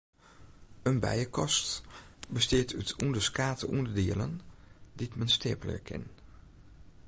In bijekast bestiet út ûnderskate ûnderdielen dy't men steapelje kin.